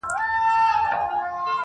o او خپل څادر يې تر خپل څنگ هوار کړ.